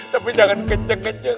tapi jangan kece kece